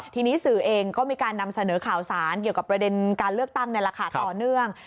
ทีนี้สื่อเองก็มีการนำเสนอข่าวสารเกี่ยวกับประเด็นการเลือกตั้งต่อเนื่อง